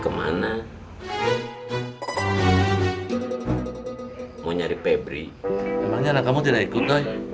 emangnya anak kamu tidak ikut doi